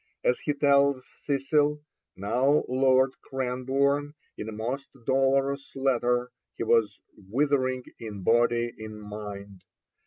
As he tells Cecil, now Lord Cranborne, in a most dolorous letter, he was withering in body and mind.